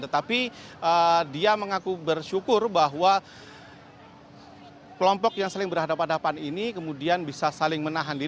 tetapi dia mengaku bersyukur bahwa kelompok yang saling berhadapan hadapan ini kemudian bisa saling menahan diri